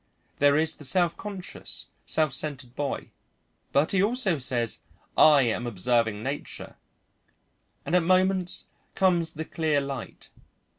There is the self conscious, self centred boy. But he also says "I am observing nature!" And at moments comes the clear light.